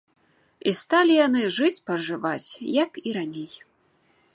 І сталі яны жыць-пажываць, як і раней.